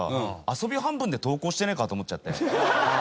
遊び半分で投稿してないかと思っちゃって。